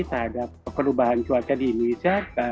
terhadap perubahan cuaca di indonesia